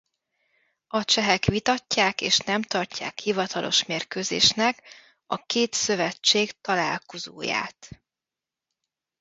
A csehek vitatják és nem tartják hivatalos mérkőzésnek a két szövetség találkozóját.